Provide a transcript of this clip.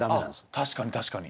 確かに確かに。